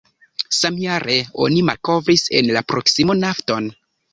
Samjare, oni malkovris en la proksimo nafton.